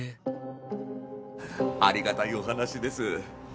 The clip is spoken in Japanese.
ありがたいお話です。